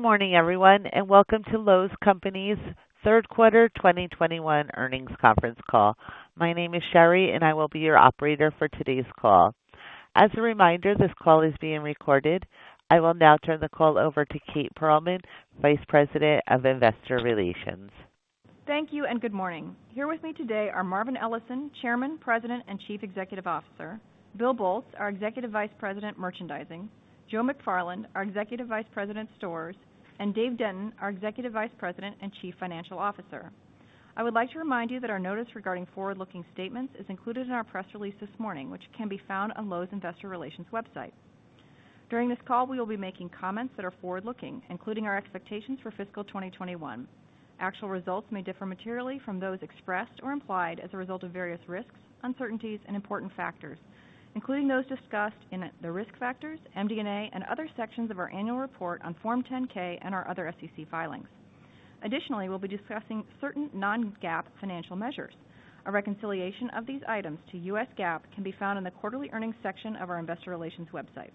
Good morning everyone, and welcome to Lowe's Companies third quarter 2021 earnings conference call. My name is Sherry, and I will be your operator for today's call. As a reminder, this call is being recorded. I will now turn the call over to Kate Pearlman, Vice President of Investor Relations. Thank you and good morning. Here with me today are Marvin Ellison, Chairman, President, and Chief Executive Officer, Bill Boltz, our Executive Vice President, Merchandising, Joe McFarland, our Executive Vice President, Stores, and Dave Denton, our Executive Vice President and Chief Financial Officer. I would like to remind you that our notice regarding forward-looking statements is included in our press release this morning, which can be found on Lowe's Investor Relations website. During this call, we will be making comments that are forward-looking, including our expectations for fiscal 2021. Actual results may differ materially from those expressed or implied as a result of various risks, uncertainties, and important factors, including those discussed in the Risk Factors, MD&A and other sections of our annual report on Form 10-K and our other SEC filings. Additionally, we'll be discussing certain non-GAAP financial measures. A reconciliation of these items to U.S. GAAP can be found in the Quarterly Earnings section of our Investor Relations website.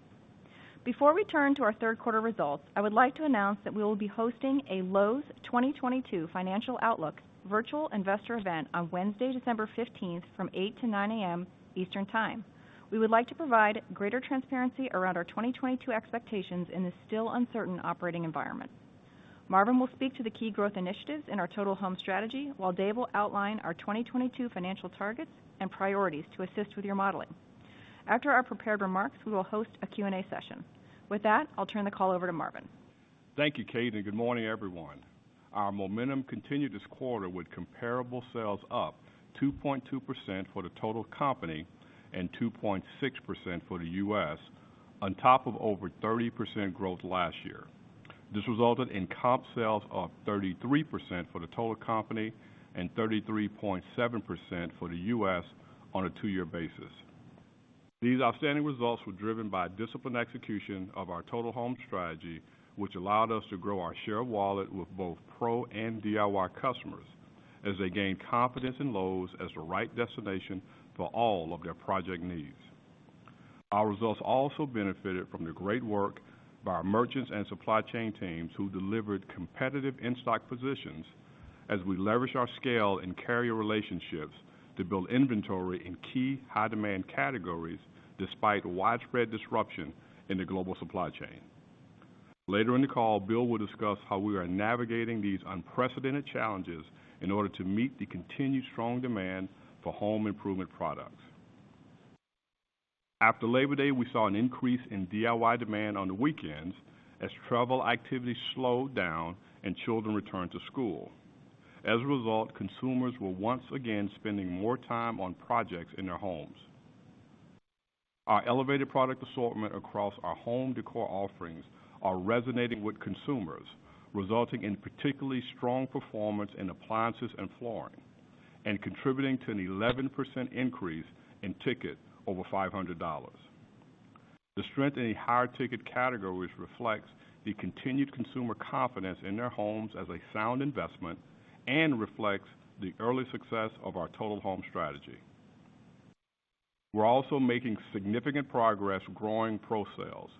Before we turn to our third quarter results, I would like to announce that we will be hosting a Lowe's 2022 Financial Outlook virtual investor event on Wednesday, December 15, from 8:00 A.M. to 9:00 A.M. Eastern Time. We would like to provide greater transparency around our 2022 expectations in this still uncertain operating environment. Marvin will speak to the key growth initiatives in our Total Home strategy, while Dave will outline our 2022 financial targets and priorities to assist with your modeling. After our prepared remarks, we will host a Q&A session. With that, I'll turn the call over to Marvin. Thank you, Kate, and good morning, everyone. Our momentum continued this quarter with comparable sales up 2.2% for the total company and 2.6% for the U.S. on top of over 30% growth last year. This resulted in comp sales of 33% for the total company and 33.7% for the U.S. on a two-year basis. These outstanding results were driven by disciplined execution of our Total Home strategy, which allowed us to grow our share of wallet with both pro and DIY customers as they gained confidence in Lowe's as the right destination for all of their project needs. Our results also benefited from the great work by our merchants and supply chain teams who delivered competitive in-stock positions as we leverage our scale and carrier relationships to build inventory in key high-demand categories despite widespread disruption in the global supply chain. Later in the call, Bill will discuss how we are navigating these unprecedented challenges in order to meet the continued strong demand for home improvement products. After Labor Day, we saw an increase in DIY demand on the weekends as travel activity slowed down and children returned to school. As a result, consumers were once again spending more time on projects in their homes. Our elevated product assortment across our home decor offerings are resonating with consumers, resulting in particularly strong performance in appliances and flooring and contributing to an 11% increase in ticket over $500. The strength in the higher ticket categories reflects the continued consumer confidence in their homes as a sound investment and reflects the early success of our Total Home strategy. We're also making significant progress growing Pro sales.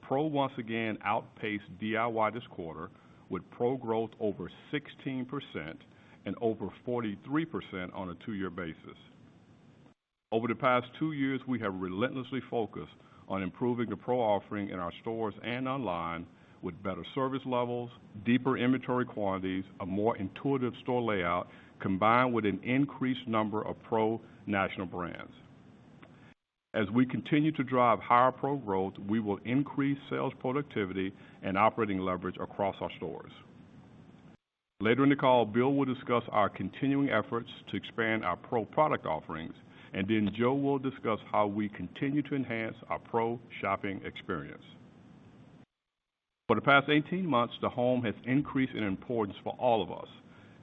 Pro once again outpaced DIY this quarter with Pro growth over 16% and over 43% on a two-year basis. Over the past two years, we have relentlessly focused on improving the Pro offering in our stores and online with better service levels, deeper inventory quantities, a more intuitive store layout combined with an increased number of Pro national brands. As we continue to drive higher Pro growth, we will increase sales productivity and operating leverage across our stores. Later in the call, Bill will discuss our continuing efforts to expand our Pro product offerings, and then Joe will discuss how we continue to enhance our Pro shopping experience. For the past 18 months, the home has increased in importance for all of us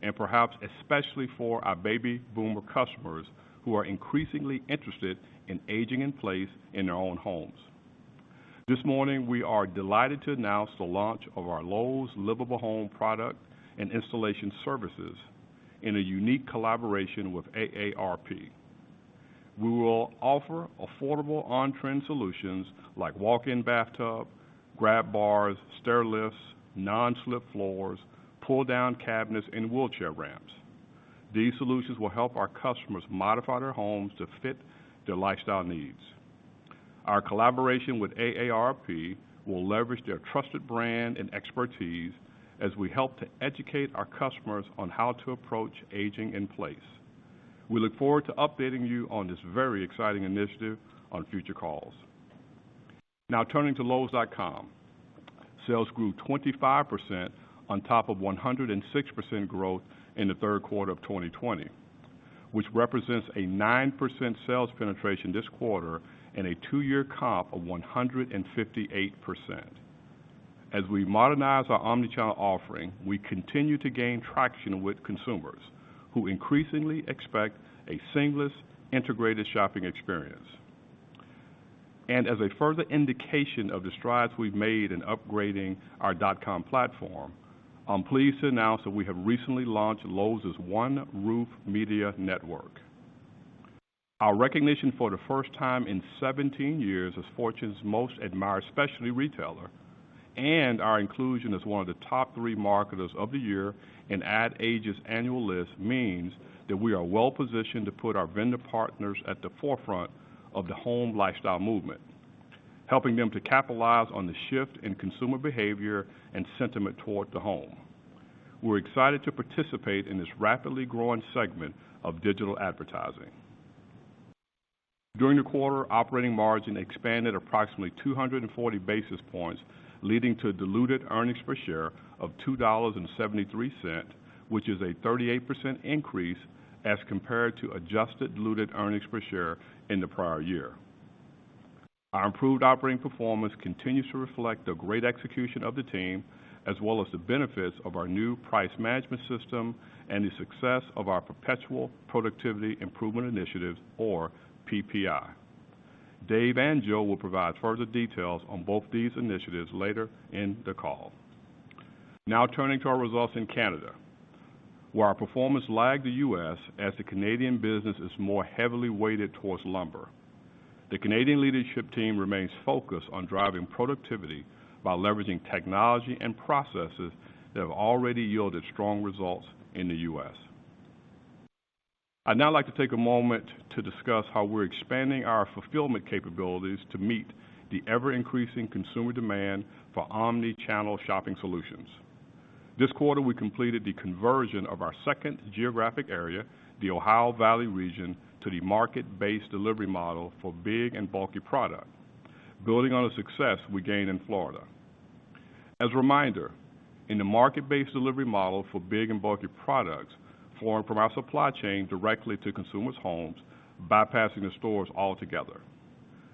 and perhaps especially for our baby boomer customers who are increasingly interested in aging in place in their own homes. This morning, we are delighted to announce the launch of our Lowe's Livable Home product and installation services in a unique collaboration with AARP. We will offer affordable on-trend solutions like walk-in bathtub, grab bars, stair lifts, non-slip floors, pull-down cabinets, and wheelchair ramps. These solutions will help our customers modify their homes to fit their lifestyle needs. Our collaboration with AARP will leverage their trusted brand and expertise as we help to educate our customers on how to approach aging in place. We look forward to updating you on this very exciting initiative on future calls. Now turning to lowes.com. Sales grew 25% on top of 106% growth in the third quarter of 2020, which represents a 9% sales penetration this quarter and a two-year comp of 158%. As we modernize our omnichannel offering, we continue to gain traction with consumers who increasingly expect a seamless, integrated shopping experience. As a further indication of the strides we've made in upgrading our dot-com platform, I'm pleased to announce that we have recently launched Lowe's One Roof Media Network. Our recognition for the first time in 17 years as Fortune's Most Admired Specialty Retailer and our inclusion as one of the top three marketers of the year in Ad Age's annual list means that we are well-positioned to put our vendor partners at the forefront of the home lifestyle movement, helping them to capitalize on the shift in consumer behavior and sentiment toward the home. We're excited to participate in this rapidly growing segment of digital advertising. During the quarter, operating margin expanded approximately 240 basis points, leading to diluted earnings per share of $2.73, which is a 38% increase as compared to adjusted diluted earnings per share in the prior year. Our improved operating performance continues to reflect the great execution of the team, as well as the benefits of our new price management system and the success of our perpetual productivity improvement initiatives, or PPI. Dave and Joe will provide further details on both these initiatives later in the call. Now turning to our results in Canada, where our performance lagged the U.S. as the Canadian business is more heavily weighted towards lumber. The Canadian leadership team remains focused on driving productivity by leveraging technology and processes that have already yielded strong results in the U.S. I'd now like to take a moment to discuss how we're expanding our fulfillment capabilities to meet the ever-increasing consumer demand for omni-channel shopping solutions. This quarter, we completed the conversion of our second geographic area, the Ohio Valley region, to the market-based delivery model for big and bulky product, building on the success we gained in Florida. As a reminder, in the market-based delivery model for big and bulky products, flowing from our supply chain directly to consumers' homes, bypassing the stores altogether.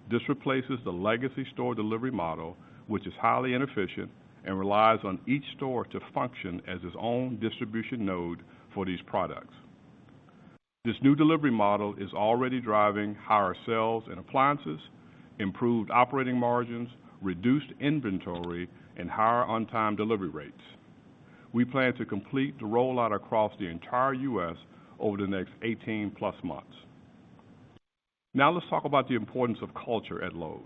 This replaces the legacy store delivery model, which is highly inefficient and relies on each store to function as its own distribution node for these products. This new delivery model is already driving higher sales in appliances, improved operating margins, reduced inventory, and higher on-time delivery rates. We plan to complete the rollout across the entire U.S. over the next 18-plus months. Now let's talk about the importance of culture at Lowe's.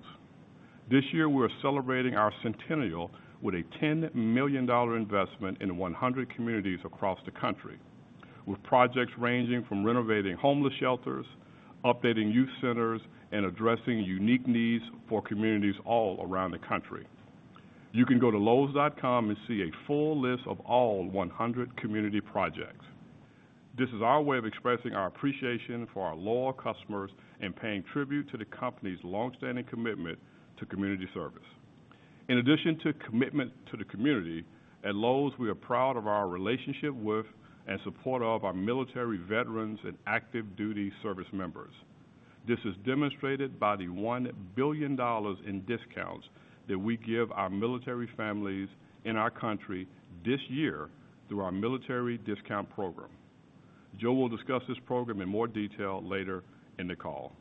This year, we're celebrating our centennial with a $10 million investment in 100 communities across the country, with projects ranging from renovating homeless shelters, updating youth centers, and addressing unique needs for communities all around the country. You can go to lowes.com and see a full list of all 100 community projects. This is our way of expressing our appreciation for our loyal customers and paying tribute to the company's longstanding commitment to community service. In addition to commitment to the community, at Lowe's, we are proud of our relationship with and support of our military veterans and active duty service members. This is demonstrated by the $1 billion in discounts that we give our military families in our country this year through our military discount program. Joe will discuss this program in more detail later in the call.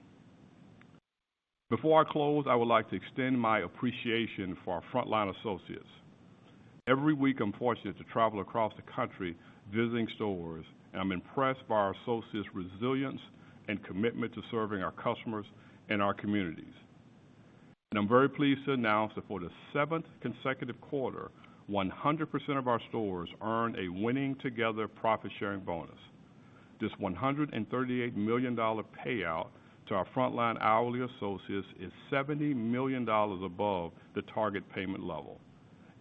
Before I close, I would like to extend my appreciation for our frontline associates. Every week, I'm fortunate to travel across the country visiting stores, and I'm impressed by our associates' resilience and commitment to serving our customers and our communities. I'm very pleased to announce that for the seventh consecutive quarter, 100% of our stores earned a Winning Together profit-sharing bonus. This $138 million payout to our frontline hourly associates is $70 million above the target payment level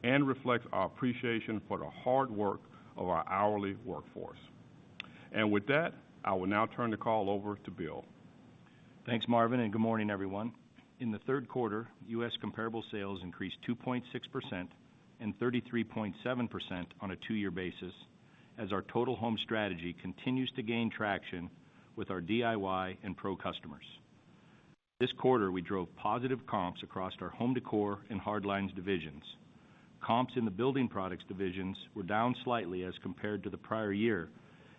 and reflects our appreciation for the hard work of our hourly workforce. With that, I will now turn the call over to Bill. Thanks, Marvin, and good morning, everyone. In the third quarter, U.S. comparable sales increased 2.6% and 33.7% on a two-year basis as our Total Home strategy continues to gain traction with our DIY and pro customers. This quarter, we drove positive comps across our home decor and hard lines divisions. Comps in the building products divisions were down slightly as compared to the prior year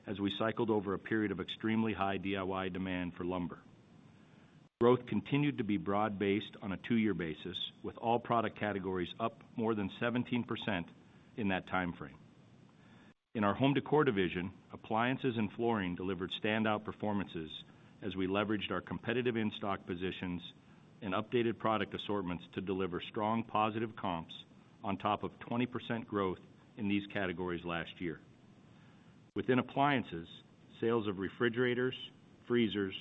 as we cycled over a period of extremely high DIY demand for lumber. Growth continued to be broad-based on a two-year basis, with all product categories up more than 17% in that timeframe. In our home decor division, appliances and flooring delivered standout performances as we leveraged our competitive in-stock positions and updated product assortments to deliver strong positive comps on top of 20% growth in these categories last year. Within appliances, sales of refrigerators, freezers,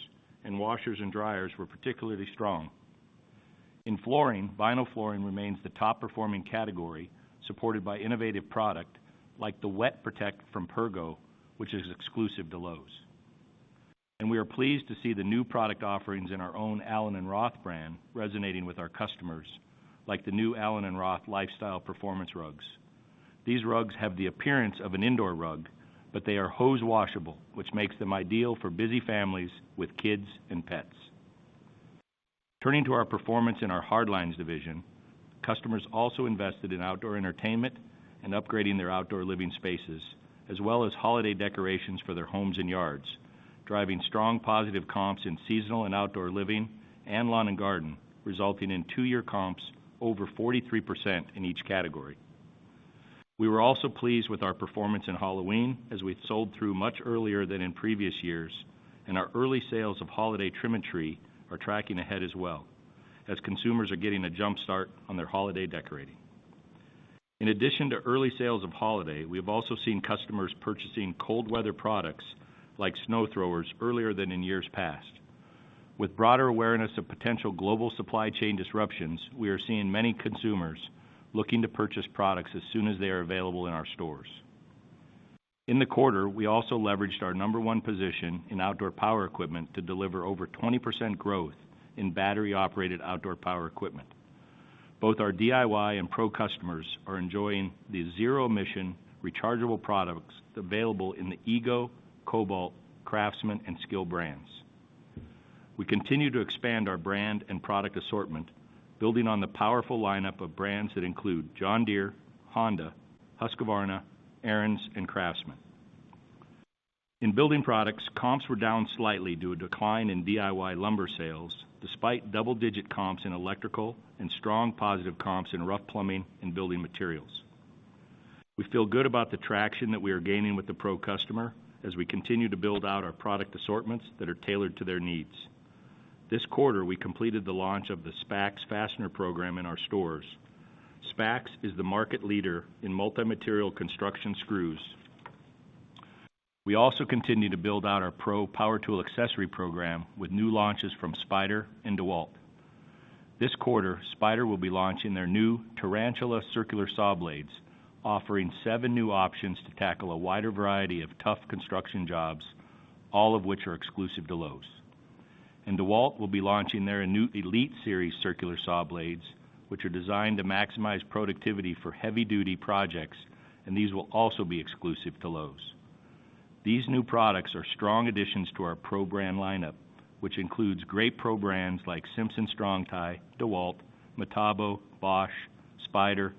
and washers and dryers were particularly strong. In flooring, vinyl flooring remains the top-performing category, supported by innovative product like the WetProtect from Pergo, which is exclusive to Lowe's. We are pleased to see the new product offerings in our own allen + roth brand resonating with our customers, like the new allen + roth Lifestyle Performance Rugs. These rugs have the appearance of an indoor rug, but they are hose washable, which makes them ideal for busy families with kids and pets. Turning to our performance in our hard lines division, customers also invested in outdoor entertainment and upgrading their outdoor living spaces, as well as holiday decorations for their homes and yards, driving strong positive comps in seasonal and outdoor living and lawn and garden, resulting in two-year comps over 43% in each category. We were also pleased with our performance in Halloween as we sold through much earlier than in previous years, and our early sales of holiday trim-a-tree are tracking ahead, as well as consumers are getting a jump start on their holiday decorating. In addition to early sales of holiday, we have also seen customers purchasing cold weather products like snow throwers earlier than in years past. With broader awareness of potential global supply chain disruptions, we are seeing many consumers looking to purchase products as soon as they are available in our stores. In the quarter, we also leveraged our number one position in outdoor power equipment to deliver over 20% growth in battery-operated outdoor power equipment. Both our DIY and pro customers are enjoying the zero-emission rechargeable products available in the EGO, Kobalt, CRAFTSMAN, and SKIL brands. We continue to expand our brand and product assortment, building on the powerful lineup of brands that include John Deere, Honda, Husqvarna, Ariens, and CRAFTSMAN. In building products, comps were down slightly due to a decline in DIY lumber sales, despite double-digit comps in electrical and strong positive comps in rough plumbing and building materials. We feel good about the traction that we are gaining with the pro customer as we continue to build out our product assortments that are tailored to their needs. This quarter, we completed the launch of the SPAX fastener program in our stores. SPAX is the market leader in multi-material construction screws. We also continue to build out our pro power tool accessory program with new launches from Spyder and DEWALT. This quarter, Spyder will be launching their new Tarantula circular saw blades, offering seven new options to tackle a wider variety of tough construction jobs, all of which are exclusive to Lowe's. DEWALT will be launching their new Elite Series circular saw blades, which are designed to maximize productivity for heavy-duty projects, and these will also be exclusive to Lowe's. These new products are strong additions to our pro brand lineup, which includes great pro brands like Simpson Strong-Tie, DEWALT, Metabo, Bosch, Spyder,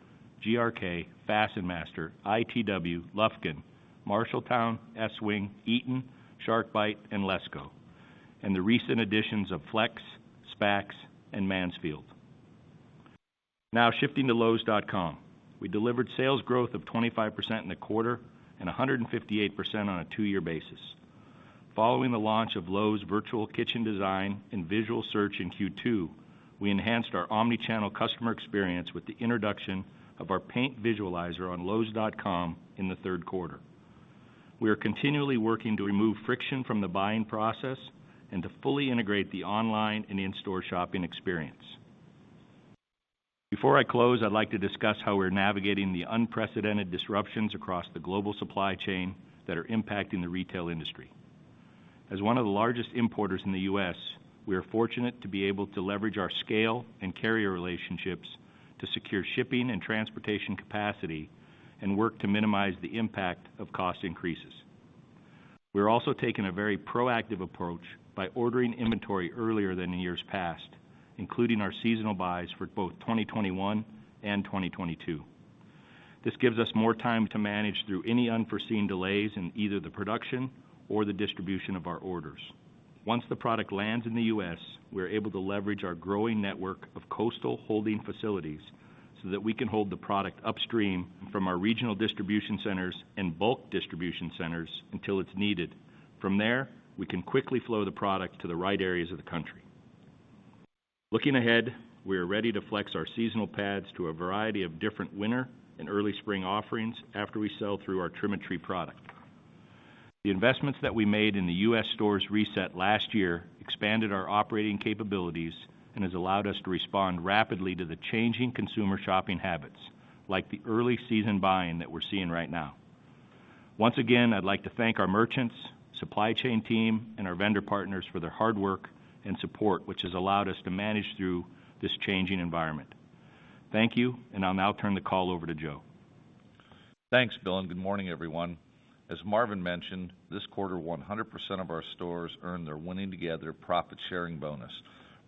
GRK, FastenMaster, ITW, Lufkin, Marshalltown, Estwing, Eaton, SharkBite and LESCO, and the recent additions of FLEX, SPAX and Mansfield. Now shifting to lowes.com. We delivered sales growth of 25% in the quarter and 158% on a two-year basis. Following the launch of Lowe's Virtual Kitchen Design and Visual Search in Q2, we enhanced our omni-channel customer experience with the introduction of our paint visualizer on lowes.com in the third quarter. We are continually working to remove friction from the buying process and to fully integrate the online and in-store shopping experience. Before I close, I'd like to discuss how we're navigating the unprecedented disruptions across the global supply chain that are impacting the retail industry. As one of the largest importers in the U.S., we are fortunate to be able to leverage our scale and carrier relationships to secure shipping and transportation capacity and work to minimize the impact of cost increases. We're also taking a very proactive approach by ordering inventory earlier than in years past, including our seasonal buys for both 2021 and 2022. This gives us more time to manage through any unforeseen delays in either the production or the distribution of our orders. Once the product lands in the U.S., we are able to leverage our growing network of coastal holding facilities so that we can hold the product upstream from our regional distribution centers and bulk distribution centers until it's needed. From there, we can quickly flow the product to the right areas of the country. Looking ahead, we are ready to flex our seasonal pads to a variety of different winter and early spring offerings after we sell through our trim-a-tree product. The investments that we made in the U.S. stores reset last year expanded our operating capabilities and has allowed us to respond rapidly to the changing consumer shopping habits, like the early season buying that we're seeing right now. Once again, I'd like to thank our merchants, supply chain team and our vendor partners for their hard work and support, which has allowed us to manage through this changing environment. Thank you, and I'll now turn the call over to Joe. Thanks, Bill, and good morning, everyone. As Marvin mentioned, this quarter, 100% of our stores earned their Winning Together profit-sharing bonus,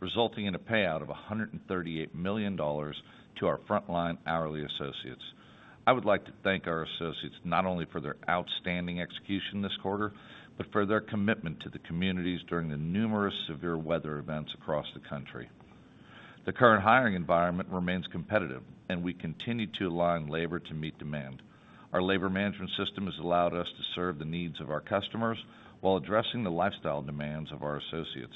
resulting in a payout of $138 million to our frontline hourly associates. I would like to thank our associates not only for their outstanding execution this quarter, but for their commitment to the communities during the numerous severe weather events across the country. The current hiring environment remains competitive and we continue to align labor to meet demand. Our labor management system has allowed us to serve the needs of our customers while addressing the lifestyle demands of our associates.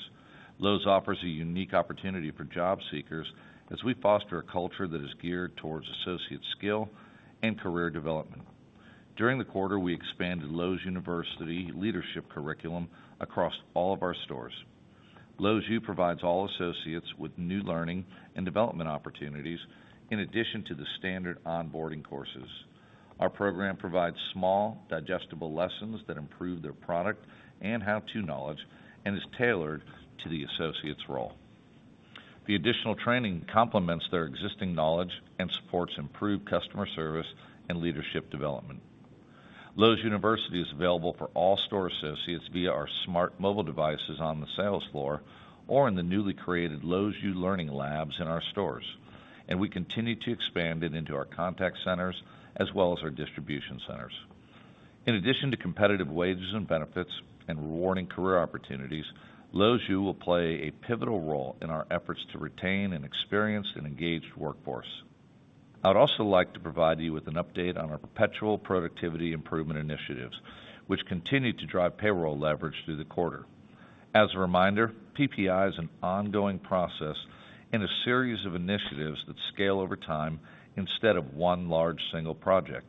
Lowe's offers a unique opportunity for job seekers as we foster a culture that is geared towards associate skill and career development. During the quarter, we expanded Lowe's University leadership curriculum across all of our stores. Lowe's U provides all associates with new learning and development opportunities in addition to the standard onboarding courses. Our program provides small, digestible lessons that improve their product and how-to knowledge and is tailored to the associate's role. The additional training complements their existing knowledge and supports improved customer service and leadership development. Lowe's University is available for all store associates via our smart mobile devices on the sales floor or in the newly created Lowe's U Learning Labs in our stores, and we continue to expand it into our contact centers as well as our distribution centers. In addition to competitive wages and benefits and rewarding career opportunities, Lowe's U will play a pivotal role in our efforts to retain an experienced and engaged workforce. I would also like to provide you with an update on our perpetual productivity improvement initiatives, which continue to drive payroll leverage through the quarter. As a reminder, PPI is an ongoing process and a series of initiatives that scale over time instead of one large single project.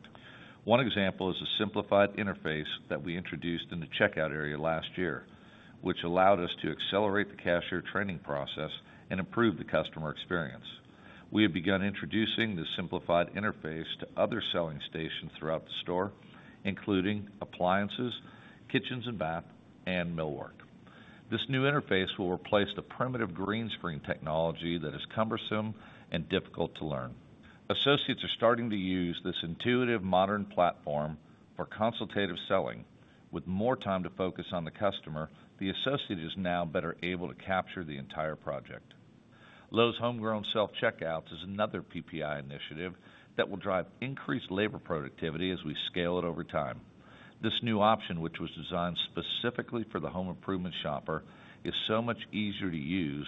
One example is the simplified interface that we introduced in the checkout area last year, which allowed us to accelerate the cashier training process and improve the customer experience. We have begun introducing this simplified interface to other selling stations throughout the store, including appliances, kitchens and bath, and millwork. This new interface will replace the primitive green screen technology that is cumbersome and difficult to learn. Associates are starting to use this intuitive modern platform for consultative selling. With more time to focus on the customer, the associate is now better able to capture the entire project. Lowe's homegrown self-checkouts is another PPI initiative that will drive increased labor productivity as we scale it over time. This new option, which was designed specifically for the home improvement shopper, is so much easier to use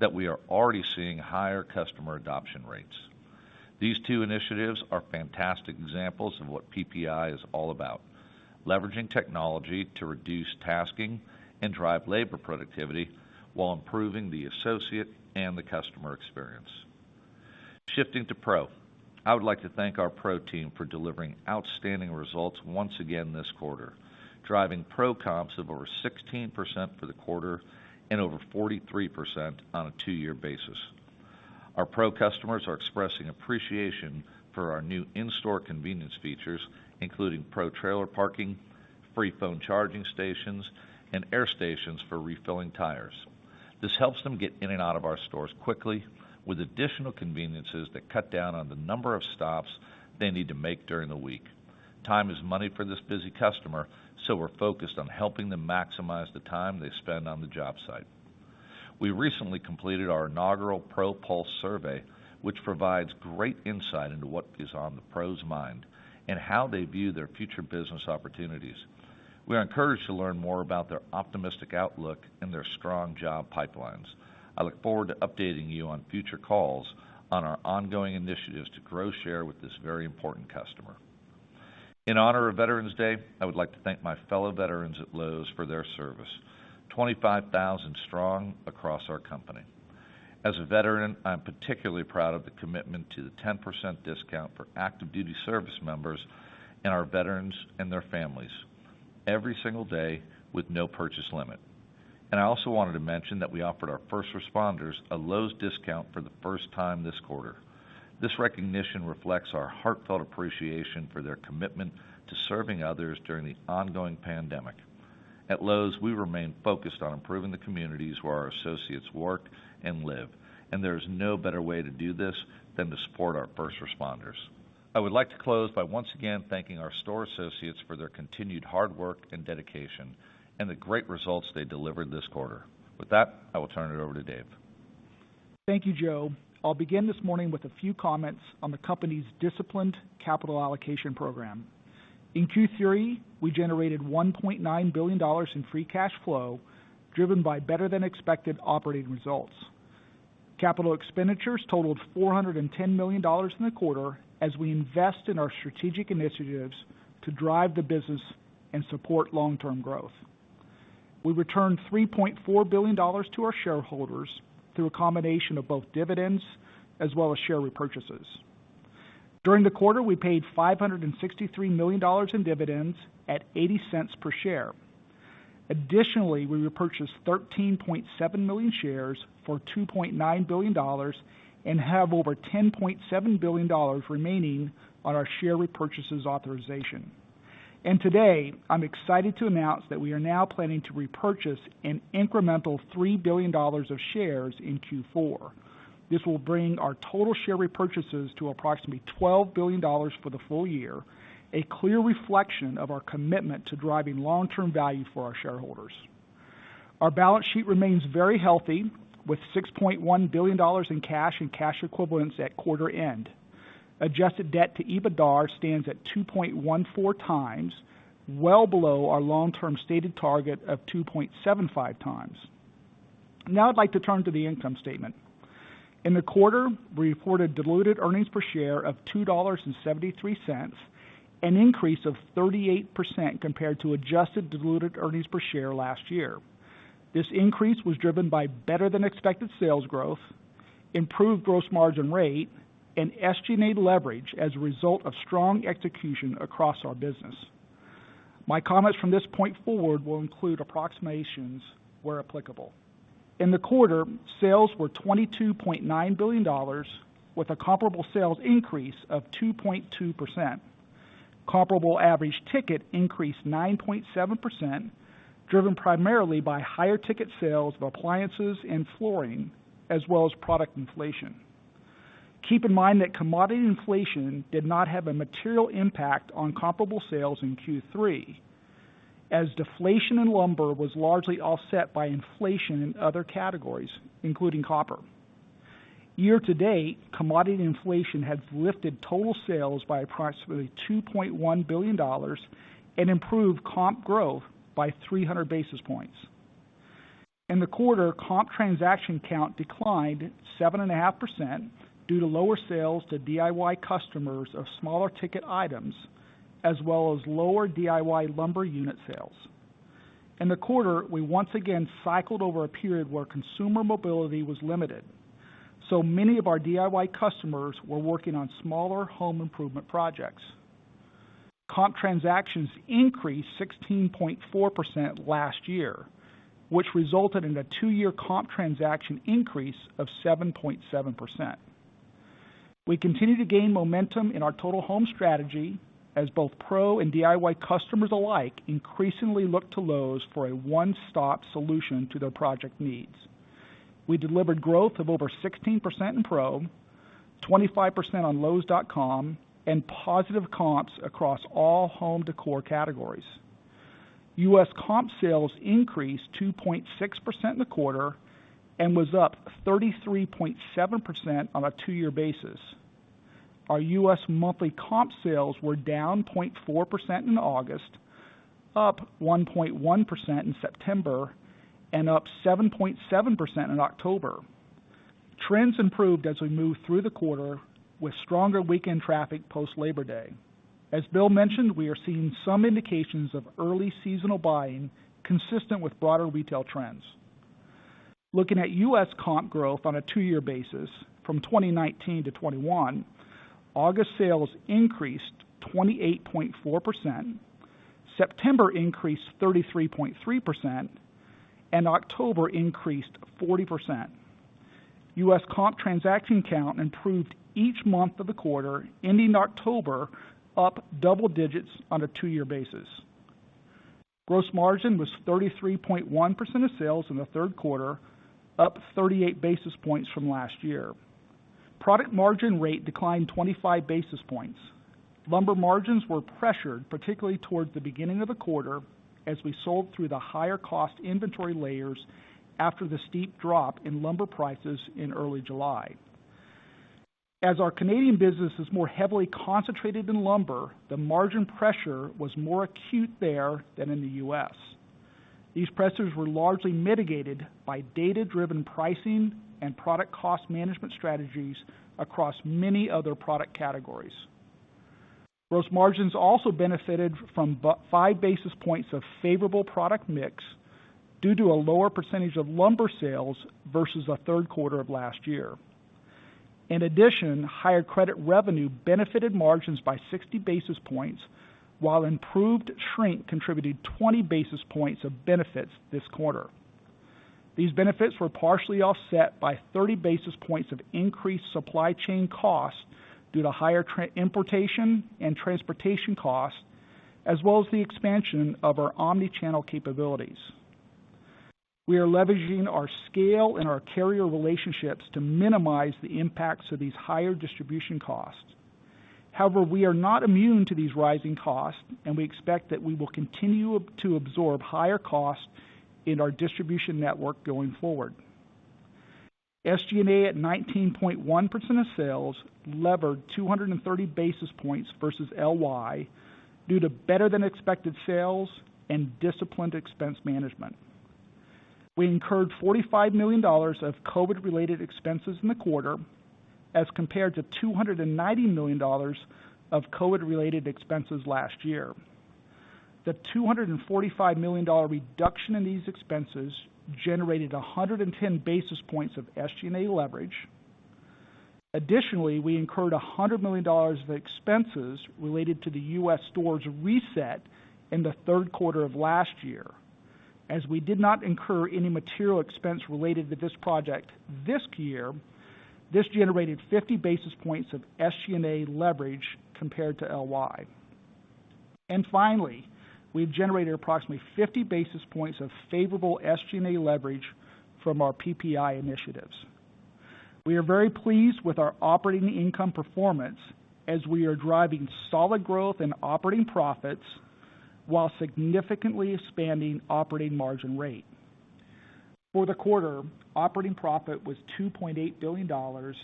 that we are already seeing higher customer adoption rates. These two initiatives are fantastic examples of what PPI is all about, leveraging technology to reduce tasking and drive labor productivity while improving the associate and the customer experience. Shifting to Pro. I would like to thank our Pro team for delivering outstanding results once again this quarter, driving Pro comps of over 16% for the quarter and over 43% on a two-year basis. Our Pro customers are expressing appreciation for our new in-store convenience features, including Pro trailer parking, free phone charging stations, and air stations for refilling tires. This helps them get in and out of our stores quickly with additional conveniences that cut down on the number of stops they need to make during the week. Time is money for this busy customer, so we're focused on helping them maximize the time they spend on the job site. We recently completed our inaugural Pro Pulse survey, which provides great insight into what is on the Pro's mind and how they view their future business opportunities. We are encouraged to learn more about their optimistic outlook and their strong job pipelines. I look forward to updating you on future calls on our ongoing initiatives to grow share with this very important customer. In honor of Veterans Day, I would like to thank my fellow veterans at Lowe's for their service. 25,000 strong across our company. As a veteran, I'm particularly proud of the commitment to the 10% discount for active duty service members and our veterans and their families every single day with no purchase limit. I also wanted to mention that we offered our first responders a Lowe's discount for the first time this quarter. This recognition reflects our heartfelt appreciation for their commitment to serving others during the ongoing pandemic. At Lowe's, we remain focused on improving the communities where our associates work and live, and there is no better way to do this than to support our first responders. I would like to close by once again thanking our store associates for their continued hard work and dedication and the great results they delivered this quarter. With that, I will turn it over to Dave. Thank you, Joe. I'll begin this morning with a few comments on the company's disciplined capital allocation program. In Q3, we generated $1.9 billion in free cash flow, driven by better-than-expected operating results. Capital expenditures totaled $410 million in the quarter as we invest in our strategic initiatives to drive the business and support long-term growth. We returned $3.4 billion to our shareholders through a combination of both dividends as well as share repurchases. During the quarter, we paid $563 million in dividends at $0.80 per share. Additionally, we repurchased 13.7 million shares for $2.9 billion and have over $10.7 billion remaining on our share repurchases authorization. Today, I'm excited to announce that we are now planning to repurchase an incremental $3 billion of shares in Q4. This will bring our total share repurchases to approximately $12 billion for the full year, a clear reflection of our commitment to driving long-term value for our shareholders. Our balance sheet remains very healthy with $6.1 billion in cash and cash equivalents at quarter end. Adjusted debt to EBITDAR stands at 2.14x, well below our long-term stated target of 2.75x. Now I'd like to turn to the income statement. In the quarter, we reported diluted earnings per share of $2.73, an increase of 38% compared to adjusted diluted earnings per share last year. This increase was driven by better-than-expected sales growth, improved gross margin rate, and SG&A leverage as a result of strong execution across our business. My comments from this point forward will include approximations where applicable. In the quarter, sales were $22.9 billion with a comparable sales increase of 2.2%. Comparable average ticket increased 9.7%, driven primarily by higher ticket sales of appliances and flooring as well as product inflation. Keep in mind that commodity inflation did not have a material impact on comparable sales in Q3. As deflation in lumber was largely offset by inflation in other categories, including copper. Year-to-date, commodity inflation has lifted total sales by approximately $2.1 billion and improved comp growth by 300 basis points. In the quarter, comp transaction count declined 7.5% due to lower sales to DIY customers of smaller ticket items, as well as lower DIY lumber unit sales. In the quarter, we once again cycled over a period where consumer mobility was limited, so many of our DIY customers were working on smaller home improvement projects. Comp transactions increased 16.4% last year, which resulted in a two-year comp transaction increase of 7.7%. We continue to gain momentum in our Total Home strategy as both pro and DIY customers alike increasingly look to Lowe's for a one-stop solution to their project needs. We delivered growth of over 16% in pro, 25% on lowes.com and positive comps across all home decor categories. U.S. comp sales increased 2.6% in the quarter and was up 33.7% on a two-year basis. Our U.S. monthly comp sales were down 0.4% in August, up 1.1% in September, and up 7.7% in October. Trends improved as we moved through the quarter with stronger weekend traffic post-Labor Day. As Bill mentioned, we are seeing some indications of early seasonal buying consistent with broader retail trends. Looking at U.S. comp growth on a two-year basis from 2019 to 2021, August sales increased 28.4%, September increased 33.3%, and October increased 40%. U.S. comp transaction count improved each month of the quarter, ending October up double digits on a two-year basis. Gross margin was 33.1% of sales in the third quarter, up 38 basis points from last year. Product margin rate declined 25 basis points. Lumber margins were pressured, particularly towards the beginning of the quarter as we sold through the higher cost inventory layers after the steep drop in lumber prices in early July. As our Canadian business is more heavily concentrated in lumber, the margin pressure was more acute there than in the U.S. These pressures were largely mitigated by data-driven pricing and product cost management strategies across many other product categories. Gross margins also benefited from 5 basis points of favorable product mix due to a lower percentage of lumber sales versus the third quarter of last year. In addition, higher credit revenue benefited margins by 60 basis points, while improved shrink contributed 20 basis points of benefits this quarter. These benefits were partially offset by 30 basis points of increased supply chain costs due to higher importation and transportation costs, as well as the expansion of our omni-channel capabilities. We are leveraging our scale and our carrier relationships to minimize the impacts of these higher distribution costs. However, we are not immune to these rising costs, and we expect that we will continue to absorb higher costs in our distribution network going forward. SG&A at 19.1% of sales leveraged 230 basis points versus LY due to better than expected sales and disciplined expense management. We incurred $45 million of COVID-related expenses in the quarter as compared to $290 million of COVID-related expenses last year. The $245 million reduction in these expenses generated 110 basis points of SG&A leverage. Additionally, we incurred $100 million of expenses related to the U.S. stores reset in the third quarter of last year. As we did not incur any material expense related to this project this year, this generated 50 basis points of SG&A leverage compared to LY. Finally, we've generated approximately 50 basis points of favorable SG&A leverage from our PPI initiatives. We are very pleased with our operating income performance as we are driving solid growth in operating profits while significantly expanding operating margin rate. For the quarter, operating profit was $2.8 billion,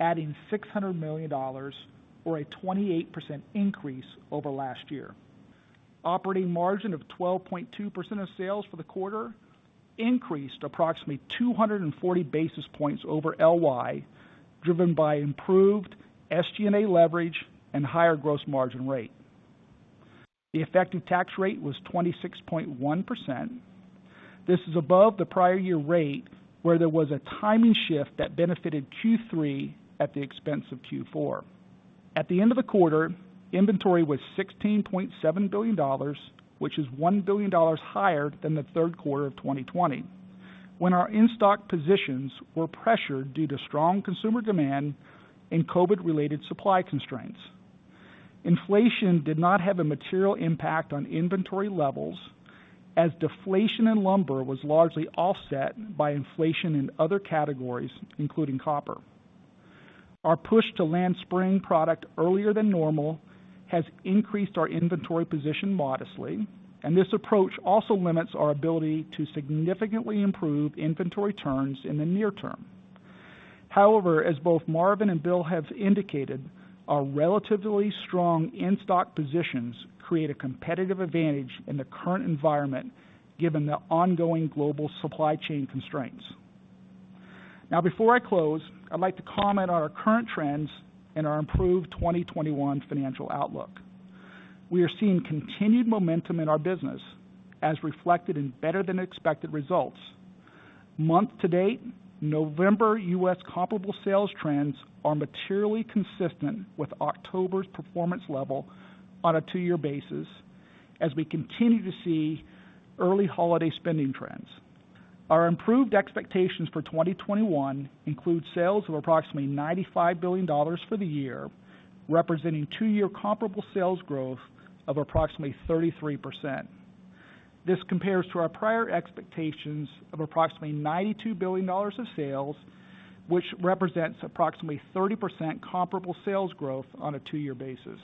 adding $600 million or a 28% increase over last year. Operating margin of 12.2% of sales for the quarter increased approximately 240 basis points over LY, driven by improved SG&A leverage and higher gross margin rate. The effective tax rate was 26.1%. This is above the prior year rate, where there was a timing shift that benefited Q3 at the expense of Q4. At the end of the quarter, inventory was $16.7 billion, which is $1 billion higher than the third quarter of 2020, when our in-stock positions were pressured due to strong consumer demand and COVID-related supply constraints. Inflation did not have a material impact on inventory levels as deflation in lumber was largely offset by inflation in other categories, including copper. Our push to land spring product earlier than normal has increased our inventory position modestly, and this approach also limits our ability to significantly improve inventory turns in the near term. However, as both Marvin and Bill have indicated, our relatively strong in-stock positions create a competitive advantage in the current environment given the ongoing global supply chain constraints. Now, before I close, I'd like to comment on our current trends and our improved 2021 financial outlook. We are seeing continued momentum in our business as reflected in better than expected results. Month to date, November U.S. comparable sales trends are materially consistent with October's performance level on a two-year basis as we continue to see early holiday spending trends. Our improved expectations for 2021 include sales of approximately $95 billion for the year, representing two-year comparable sales growth of approximately 33%. This compares to our prior expectations of approximately $92 billion of sales, which represents approximately 30% comparable sales growth on a two-year basis.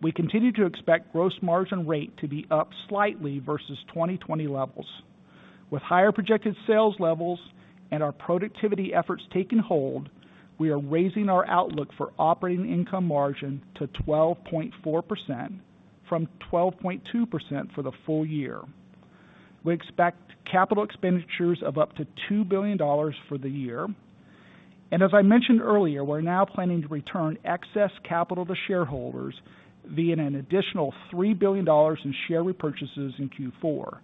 We continue to expect gross margin rate to be up slightly versus 2020 levels. With higher projected sales levels and our productivity efforts taking hold, we are raising our outlook for operating income margin to 12.4% from 12.2% for the full year. We expect capital expenditures of up to $2 billion for the year. As I mentioned earlier, we're now planning to return excess capital to shareholders via an additional $3 billion in share repurchases in Q4.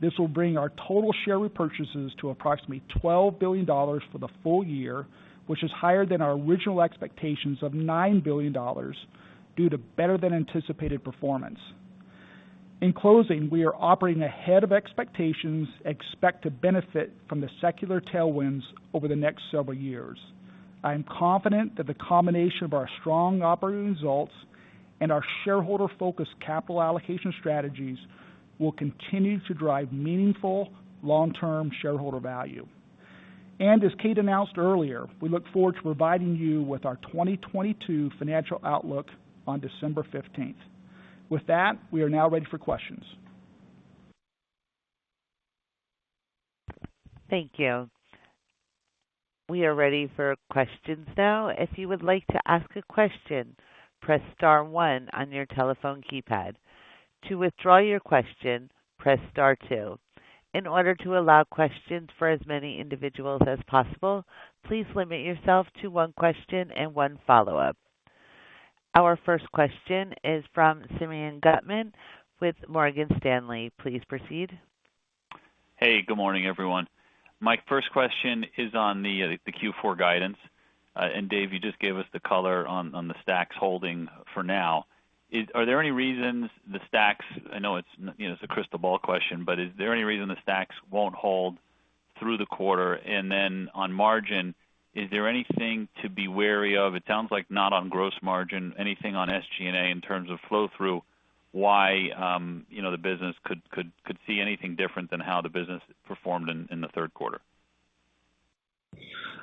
This will bring our total share repurchases to approximately $12 billion for the full year, which is higher than our original expectations of $9 billion due to better than anticipated performance. In closing, we are operating ahead of expectations, expect to benefit from the secular tailwinds over the next several years. I am confident that the combination of our strong operating results and our shareholder-focused capital allocation strategies will continue to drive meaningful long-term shareholder value. As Kate announced earlier, we look forward to providing you with our 2022 financial outlook on December fifteenth. With that, we are now ready for questions. Thank you. We are ready for questions now. If you would like to ask a question, press star one on your telephone keypad. To withdraw your question, press star two. In order to allow questions for as many individuals as possible, please limit yourself to one question and one follow-up. Our first question is from Simeon Gutman with Morgan Stanley. Please proceed. Hey, good morning, everyone. My first question is on the Q4 guidance. Dave, you just gave us the color on the stacks holding for now. I know it's, you know, it's a crystal ball question, but is there any reason the stacks won't hold through the quarter? Then on margin, is there anything to be wary of? It sounds like not on gross margin. Anything on SG&A in terms of flow-through, why the business could see anything different than how the business performed in the third quarter?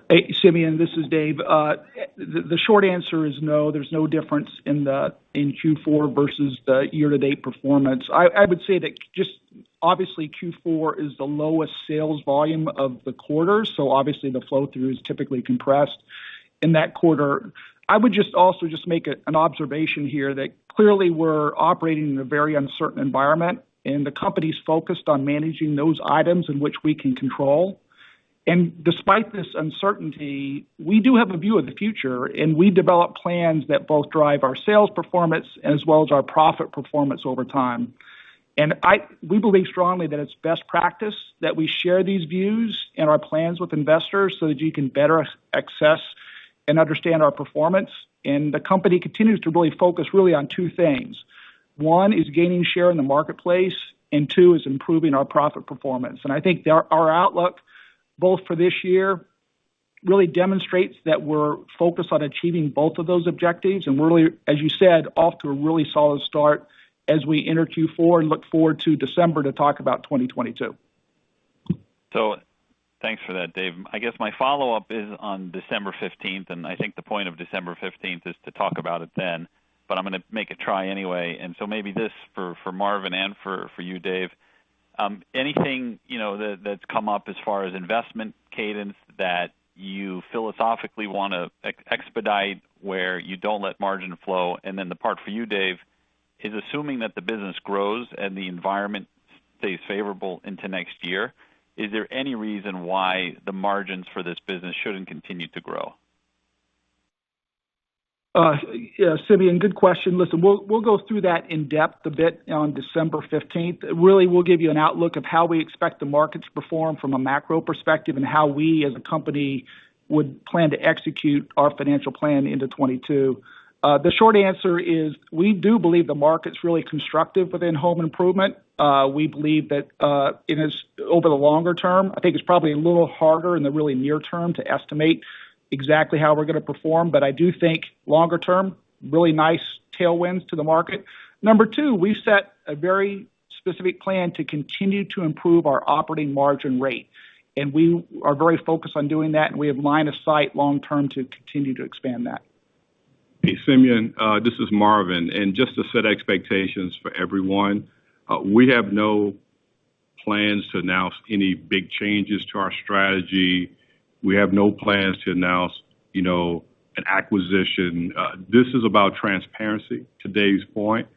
Hey, Simeon, this is Dave. The short answer is no, there's no difference in Q4 versus the year-to-date performance. I would say that just obviously, Q4 is the lowest sales volume of the quarter, so obviously the flow-through is typically compressed in that quarter. I would also make an observation here that clearly we're operating in a very uncertain environment, and the company's focused on managing those items in which we can control. Despite this uncertainty, we do have a view of the future, and we develop plans that both drive our sales performance as well as our profit performance over time. We believe strongly that it's best practice that we share these views and our plans with investors so that you can better access and understand our performance. The company continues to focus on two things. One is gaining share in the marketplace, and two is improving our profit performance. I think our outlook both for this year really demonstrates that we're focused on achieving both of those objectives and really, as you said, off to a really solid start as we enter Q4 and look forward to December to talk about 2022. Thanks for that, Dave. I guess my follow-up is on December fifteenth, and I think the point of December fifteenth is to talk about it then, but I'm gonna make a try anyway. Maybe this for Marvin and for you, Dave. Anything that's come up as far as investment cadence that you philosophically wanna expedite where you don't let margin flow? Then the part for you, Dave, is assuming that the business grows and the environment stays favorable into next year, is there any reason why the margins for this business shouldn't continue to grow? Yeah, Simeon, good question. Listen, we'll go through that in depth a bit on December fifteenth. Really, we'll give you an outlook of how we expect the markets to perform from a macro perspective and how we as a company would plan to execute our financial plan into 2022. The short answer is, we do believe the market's really constructive within home improvement. We believe that, it is over the longer term. I think it's probably a little harder in the really near term to estimate exactly how we're gonna perform. I do think longer term, really nice tailwinds to the market. Number two, we've set a very specific plan to continue to improve our operating margin rate, and we are very focused on doing that, and we have line of sight long term to continue to expand that. Hey, Simeon, this is Marvin. Just to set expectations for everyone, we have no plans to announce any big changes to our strategy. We have no plans to announce, you know, an acquisition. This is about transparency, to Dave's point.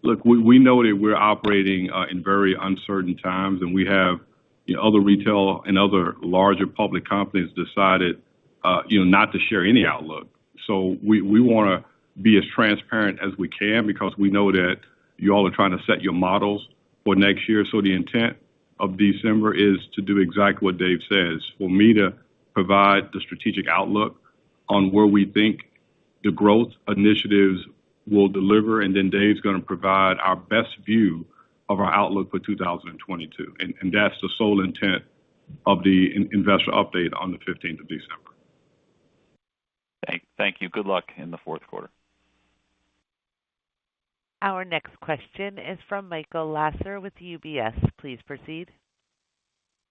Look, we know that we're operating in very uncertain times, and other retailers and other larger public companies have decided, you know, not to share any outlook. We wanna be as transparent as we can because we know that you all are trying to set your models for next year. The intent of December is to do exactly what Dave says. For me to provide the strategic outlook on where we think the growth initiatives will deliver, and then Dave's gonna provide our best view of our outlook for 2022. That's the sole intent of the investor update on the fifteenth of December. Thank you. Good luck in the fourth quarter. Our next question is from Michael Lasser with UBS. Please proceed.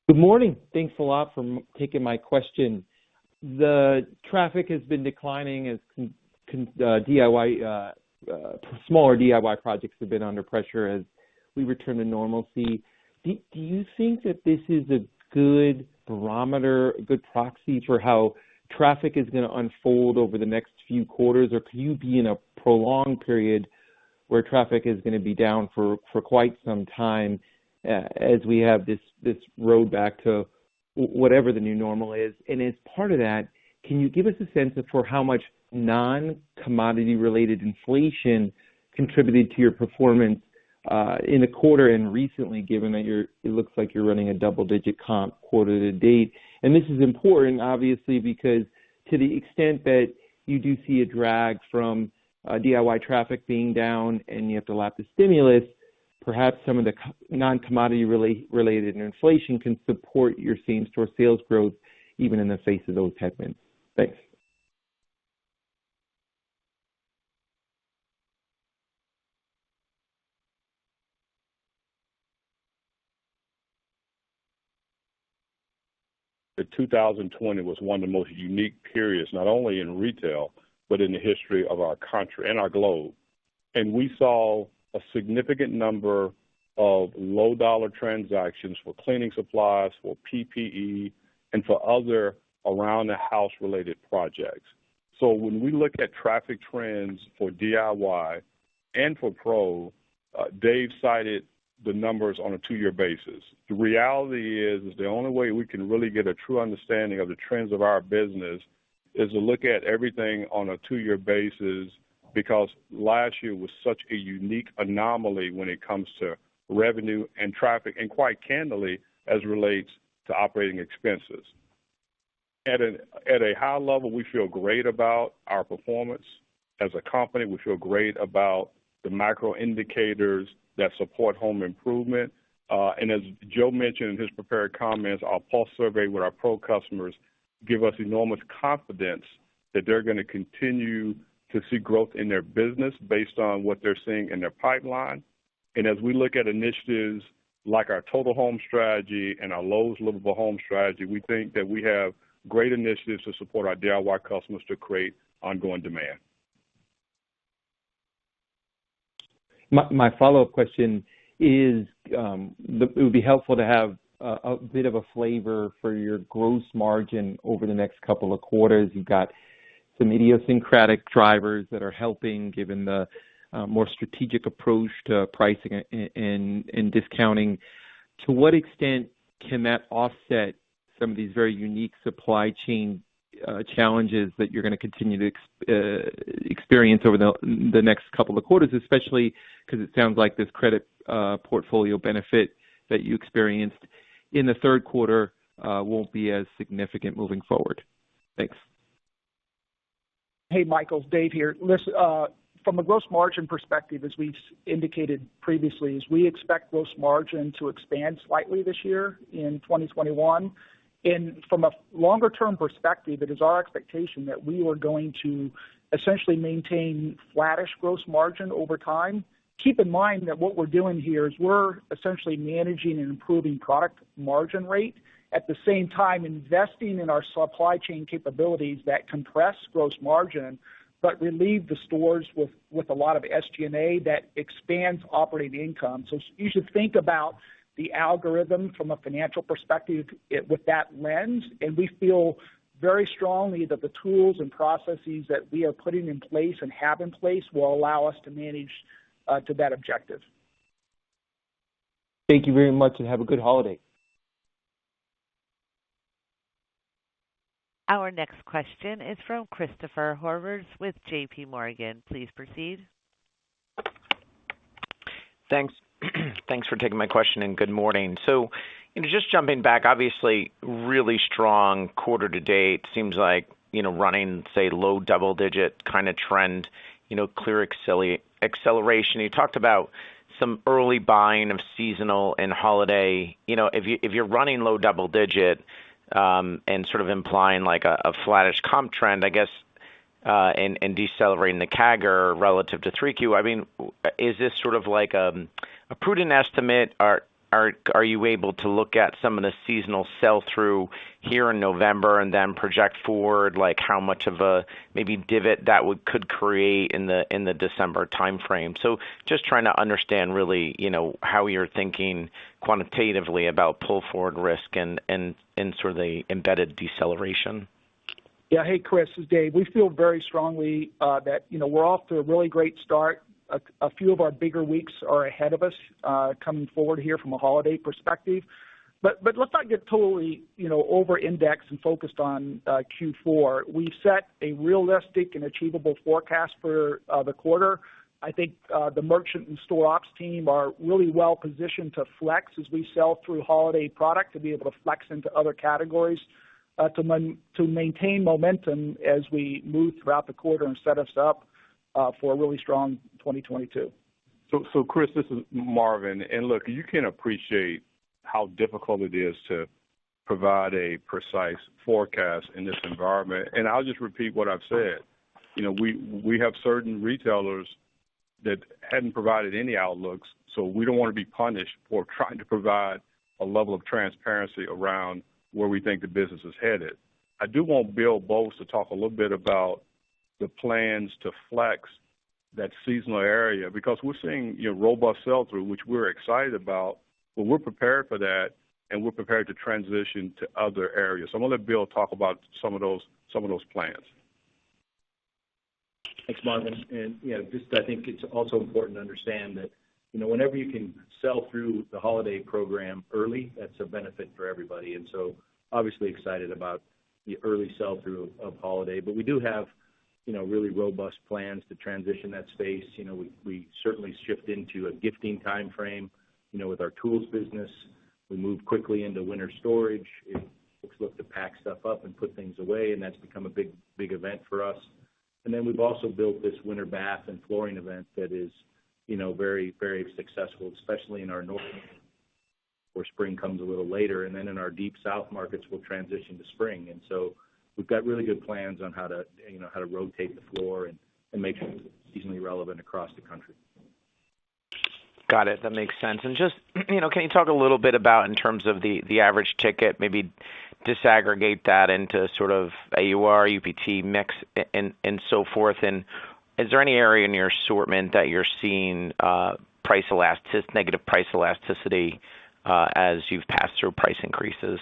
Good morning. Thanks a lot for taking my question. The traffic has been declining as DIY, smaller DIY projects have been under pressure as we return to normalcy. Do you think that this is a good barometer, a good proxy for how traffic is gonna unfold over the next few quarters? Or could you be in a prolonged period where traffic is gonna be down for quite some time as we have this road back to whatever the new normal is? As part of that, can you give us a sense for how much non-commodity related inflation contributed to your performance in the quarter and recently, given that it looks like you're running a double-digit comp quarter to date. This is important obviously, because to the extent that you do see a drag from DIY traffic being down and you have to lap the stimulus, perhaps some of the non-commodity related inflation can support your same-store sales growth even in the face of those headwinds. Thanks. 2020 was one of the most unique periods, not only in retail, but in the history of our country and our globe. We saw a significant number of low dollar transactions for cleaning supplies, for PPE, and for other around the house related projects. When we look at traffic trends for DIY and for pro, Dave cited the numbers on a two-year basis. The reality is, the only way we can really get a true understanding of the trends of our business is to look at everything on a two-year basis, because last year was such a unique anomaly when it comes to revenue and traffic, and quite candidly, as it relates to operating expenses. At a high level, we feel great about our performance. As a company, we feel great about the macro indicators that support home improvement. As Joe mentioned in his prepared comments, our pulse survey with our pro customers give us enormous confidence that they're gonna continue to see growth in their business based on what they're seeing in their pipeline. As we look at initiatives like our Total Home strategy and our Lowe's Livable Home strategy, we think that we have great initiatives to support our DIY customers to create ongoing demand. My follow-up question is, it would be helpful to have a bit of a flavor for your gross margin over the next couple of quarters. You've got some idiosyncratic drivers that are helping, given the more strategic approach to pricing and discounting. To what extent can that offset some of these very unique supply chain challenges that you're gonna continue to experience over the next couple of quarters, especially because it sounds like this credit portfolio benefit that you experienced in the third quarter won't be as significant moving forward. Thanks. Hey, Michael, Dave here. Listen, from a gross margin perspective, as we've indicated previously, we expect gross margin to expand slightly this year in 2021. From a longer-term perspective, it is our expectation that we are going to essentially maintain flattish gross margin over time. Keep in mind that what we're doing here is we're essentially managing and improving product margin rate, at the same time investing in our supply chain capabilities that compress gross margin, but relieve the stores with a lot of SG&A that expands operating income. You should think about the algorithm from a financial perspective with that lens. We feel very strongly that the tools and processes that we are putting in place and have in place will allow us to manage to that objective. Thank you very much, and have a good holiday. Our next question is from Christopher Horvers with JPMorgan. Please proceed. Thanks. Thanks for taking my question, and good morning. Just jumping back, obviously, really strong quarter to date. Seems like, you know, running, say, low double-digit kinda trend, you know, clear acceleration. You talked about some early buying of seasonal and holiday. You know, if you're running low double digit, and sort of implying like a flattish comp trend, I guess, and decelerating the CAGR relative to 3Q. I mean, is this sort of like a prudent estimate or are you able to look at some of the seasonal sell-through here in November and then project forward, like how much of a maybe divot that could create in the December timeframe? Just trying to understand really, you know, how you're thinking quantitatively about pull-forward risk and sort of the embedded deceleration. Yeah. Hey, Chris, this is Dave. We feel very strongly that, you know, we're off to a really great start. A few of our bigger weeks are ahead of us coming forward here from a holiday perspective. Let's not get totally, you know, over-indexed and focused on Q4. We set a realistic and achievable forecast for the quarter. I think the merchant and store ops team are really well positioned to flex as we sell through holiday product, to be able to flex into other categories, to maintain momentum as we move throughout the quarter and set us up for a really strong 2022. Chris, this is Marvin. Look, you can appreciate how difficult it is to provide a precise forecast in this environment. I'll just repeat what I've said. You know, we have certain retailers that hadn't provided any outlooks, so we don't wanna be punished for trying to provide a level of transparency around where we think the business is headed. I do want Bill Boltz to talk a little bit about the plans to flex that seasonal area, because we're seeing, you know, robust sell-through, which we're excited about, but we're prepared for that, and we're prepared to transition to other areas. I'm gonna let Bill talk about some of those plans. Thanks, Marvin. You know, just I think it's also important to understand that, you know, whenever you can sell through the holiday program early, that's a benefit for everybody. Obviously excited about the early sell-through of holiday. We do have, you know, really robust plans to transition that space. You know, we certainly shift into a gifting timeframe, you know, with our tools business. We move quickly into winter storage. It looks to pack stuff up and put things away, and that's become a big, big event for us. We've also built this winter bath and flooring event that is, you know, very, very successful, especially in our north where spring comes a little later. In our deep south markets, we'll transition to spring. We've got really good plans on how to, you know, how to rotate the floor and make seasonally relevant across the country. Got it. That makes sense. Just, you know, can you talk a little bit about in terms of the average ticket, maybe disaggregate that into sort of AUR, UPT mix and so forth. Is there any area in your assortment that you're seeing negative price elasticity as you've passed through price increases?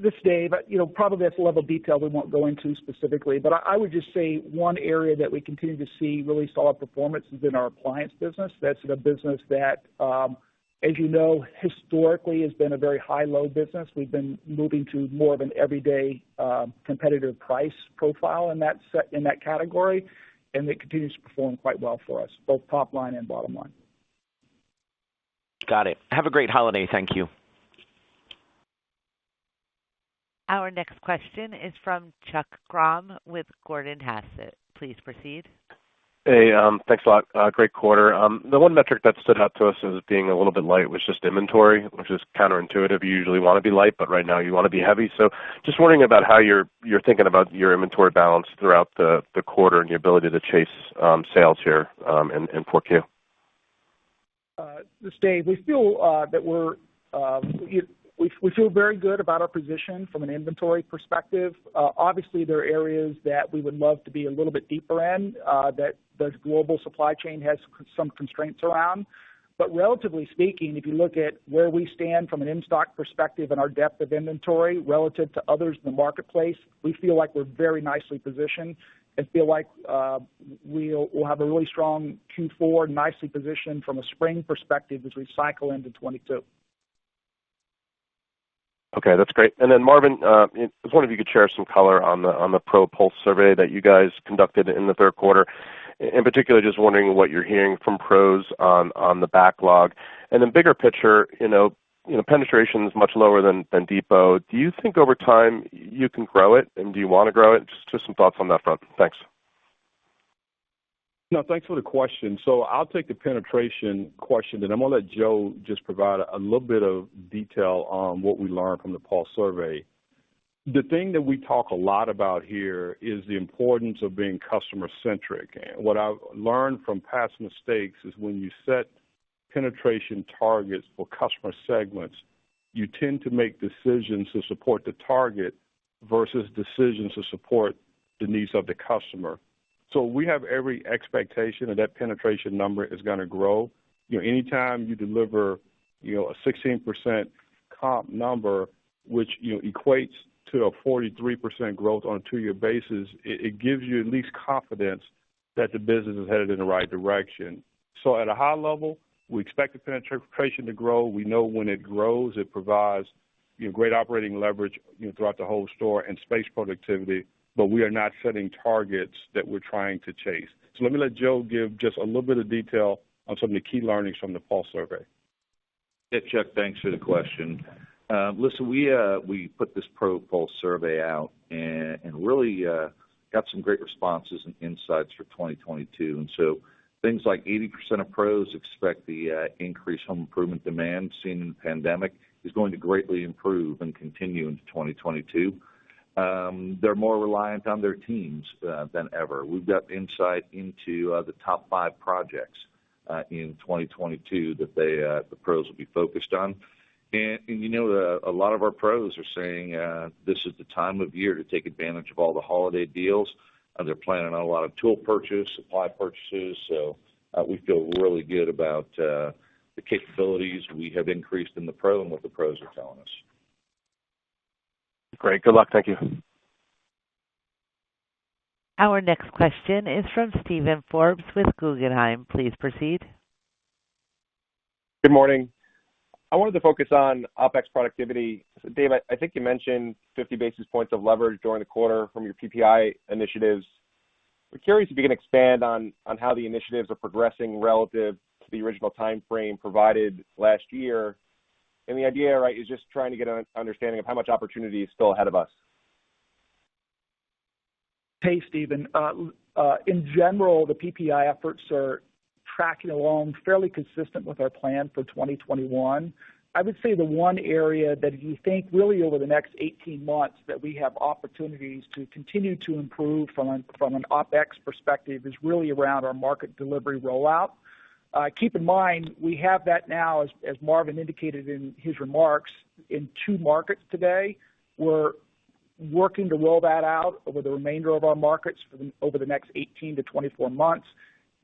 This is Dave. You know, probably that's a level of detail we won't go into specifically, but I would just say one area that we continue to see really solid performance has been our appliance business. That's the business that, as you know, historically has been a very high-low business. We've been moving to more of an everyday, competitive price profile in that category, and it continues to perform quite well for us, both top line and bottom line. Got it. Have a great holiday. Thank you. Our next question is from Chuck Grom with Gordon Haskett. Please proceed. Hey, thanks a lot. Great quarter. The one metric that stood out to us as being a little bit light was just inventory, which is counterintuitive. You usually wanna be light, but right now you wanna be heavy. Just wondering about how you're thinking about your inventory balance throughout the quarter and your ability to chase sales here in 4Q. This is Dave. We feel very good about our position from an inventory perspective. Obviously there are areas that we would love to be a little bit deeper in that the global supply chain has some constraints around. Relatively speaking, if you look at where we stand from an in-stock perspective and our depth of inventory relative to others in the marketplace, we feel like we're very nicely positioned and feel like we'll have a really strong Q4, nicely positioned from a spring perspective as we cycle into 2022. Okay, that's great. Marvin, just wondering if you could share some color on the Pro Pulse survey that you guys conducted in the third quarter. And particularly just wondering what you're hearing from pros on the backlog. Bigger picture, you know, penetration is much lower than Depot. Do you think over time you can grow it, and do you wanna grow it? Just some thoughts on that front. Thanks. No, thanks for the question. I'll take the penetration question then I'm gonna let Joe just provide a little bit of detail on what we learned from the Pro Pulse survey. The thing that we talk a lot about here is the importance of being customer-centric. What I've learned from past mistakes is when you set penetration targets for customer segments, you tend to make decisions to support the target versus decisions to support the needs of the customer. We have every expectation that penetration number is gonna grow. You know, anytime you deliver, you know, a 16% comp number, which, you know, equates to a 43% growth on a two-year basis, it gives you at least confidence that the business is headed in the right direction. At a high level, we expect the penetration to grow. We know when it grows, it provides, you know, great operating leverage, you know, throughout the whole store and space productivity, but we are not setting targets that we're trying to chase. Let me let Joe give just a little bit of detail on some of the key learnings from the Pro survey. Yeah. Chuck, thanks for the question. Listen, we put this Pro Pulse survey out and really Got some great responses and insights for 2022. Things like 80% of pros expect the increased home improvement demand seen in the pandemic is going to greatly improve and continue into 2022. They're more reliant on their teams than ever. We've got insight into the top five projects in 2022 that the pros will be focused on. A lot of our pros are saying this is the time of year to take advantage of all the holiday deals. They're planning on a lot of tool purchase, supply purchases. We feel really good about the capabilities we have increased in the pro and what the pros are telling us. Great. Good luck. Thank you. Our next question is from Steven Forbes with Guggenheim. Please proceed. Good morning. I wanted to focus on OpEx productivity. Dave, I think you mentioned 50 basis points of leverage during the quarter from your PPI initiatives. I'm curious if you can expand on how the initiatives are progressing relative to the original timeframe provided last year. The idea, right, is just trying to get an understanding of how much opportunity is still ahead of us. Hey, Steven. In general, the PPI efforts are tracking along fairly consistent with our plan for 2021. I would say the one area that we think really over the next 18 months that we have opportunities to continue to improve from an OpEx perspective is really around our market delivery rollout. Keep in mind we have that now, as Marvin indicated in his remarks, in two markets today. We're working to roll that out over the remainder of our markets over the next 18-24 months.